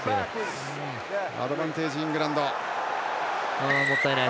アドバンテージ、イングランド。